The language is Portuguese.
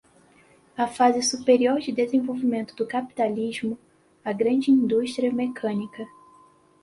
a fase superior de desenvolvimento do capitalismo, a grande indústria mecânica